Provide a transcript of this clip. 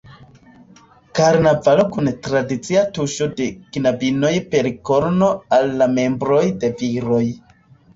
Karnavalo kun tradicia tuŝo de knabinoj per korno al la "membroj" de viroj.